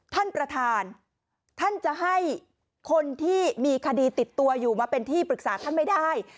ท่านประธานท่านจะให้คนที่มีคดีติดตัวอยู่มาเป็นที่ปรึกษาท่านไม่ได้